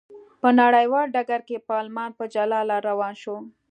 په نړیوال ډګر کې پارلمان په جلا لار روان شو.